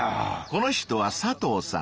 この人は佐藤さん。